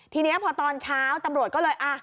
ทีนี้พอตอนเช้าตำรวจก็เลย